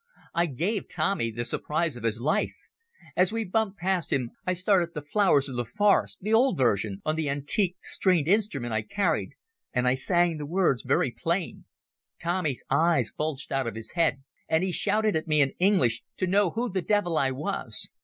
"I gave Tommy the surprise of his life. As we bumped past him, I started the 'Flowers of the Forest'—the old version—on the antique stringed instrument I carried, and I sang the words very plain. Tommy's eyes bulged out of his head, and he shouted at me in English to know who the devil I was.